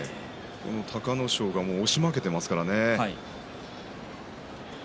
隆の勝が押し負けていますからね。